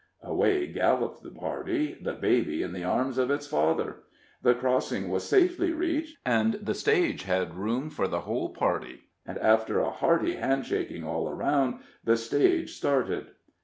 Away galloped the party, the baby in the arms of its father. The crossing was safely reached, and the stage had room for the whole party, and, after a hearty hand shaking all around, the stage started.